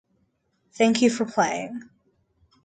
Thank you for playing.